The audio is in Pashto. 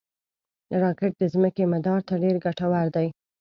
راکټ د ځمکې مدار ته ډېر ګټور دي